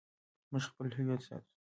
موږ خپل هویت ساتو